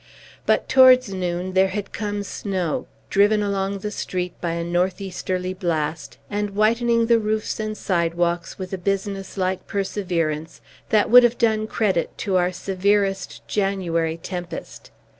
But towards noon there had come snow, driven along the street by a northeasterly blast, and whitening the roofs and sidewalks with a business like perseverance that would have done credit to our severest January tempest.